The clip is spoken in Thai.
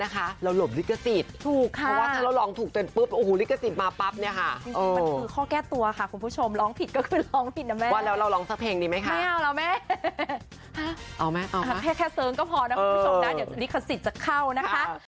แค่เสิร์งก็พอนะคุณผู้ชมนะเดี๋ยวลิขสิทธิ์จะเข้านะคะ